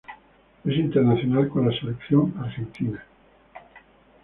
Es internacional con la selección argentina.